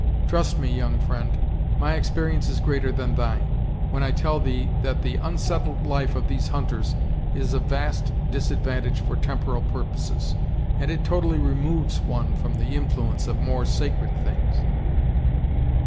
Trust me, young friend, my experience is greater than thine, when I tell thee that the unsettled life of these hunters is of vast disadvantage for temporal purposes, and it totally removes one from the influence of more sacred things."